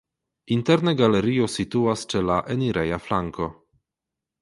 Interne galerio situas ĉe la enireja flanko.